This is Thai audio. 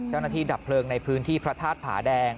เจ้าหน้าที่ดับเผลิงในพื้นที่พระทาสผ่าแดง